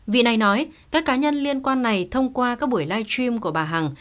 vì này nói các cá nhân liên quan này thông qua các buổi livestream của bà hằng